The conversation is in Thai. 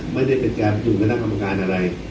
ไม่ได้เป็นการผิดผิดขึ้นกับของการอ่ะล่ะ